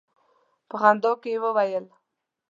په خندا یې وویل.